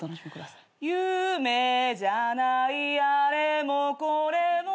「夢じゃないあれもこれも」